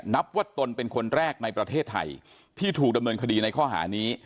นับว่าตนเป็นคนแรกในประเทศไทยที่ถูกดำเนินคดีในข้อหานี้